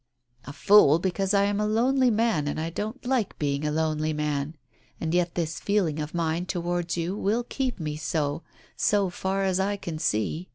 "A fool because I am a lonely man and don't like being a lonely man, and yet this feeling of mine towards you will keep me so, so far as I can see.